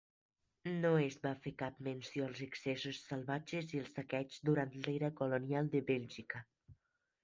No es va fer cap menció als excessos salvatges i el saqueig durant l'era colonial de Bèlgica.